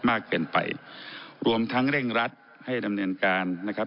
มากเกินไปรวมทั้งเร่งรัดให้ดำเนินการนะครับ